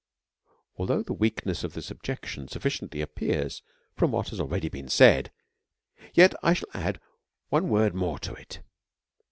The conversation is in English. Although the weakness of this objection sufficiently appears from what hath been already said, yet I shall add one word more to it.